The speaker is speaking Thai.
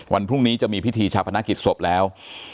วันพรุ่งนี้จะมีพิธีชาพนักกิจศพแล้ว